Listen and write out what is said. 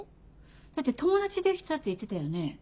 だって友達できたって言ってたよね？